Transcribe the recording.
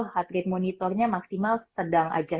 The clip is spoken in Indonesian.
heart rate monitornya maksimal sedang aja